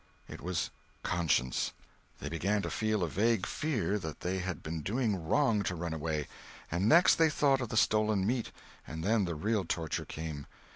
It was conscience. They began to feel a vague fear that they had been doing wrong to run away; and next they thought of the stolen meat, and then the real torture came.